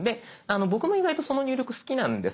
僕も意外とその入力好きなんです。